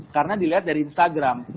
karena dilihat dari instagram